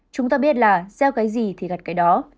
chúng ta biết là gieo cái gì thì gặt cái đó